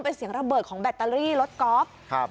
เป็นเสียงระเบิดของแบตเตอรี่รถกอล์ฟครับ